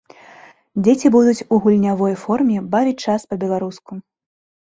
Дзеці будуць у гульнявой форме бавіць час па-беларуску.